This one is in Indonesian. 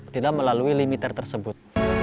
tidak melalui limiter tersebut